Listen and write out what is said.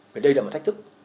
và đây là một thách thức